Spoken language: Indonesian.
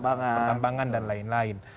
pertambangan dan lain lain